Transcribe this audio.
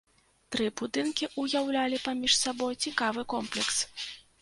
Тры будынкі ўяўлялі паміж сабой цікавы комплекс.